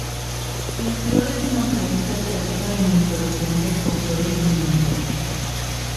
Las flores hermafroditas se agrupan en inflorescencias con flores diminutas.